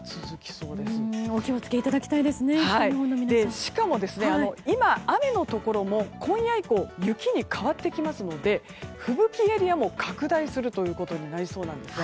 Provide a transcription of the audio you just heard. しかも、今雨のところも今夜以降雪に変わってきますので吹雪エリアも拡大するということになりそうなんですね。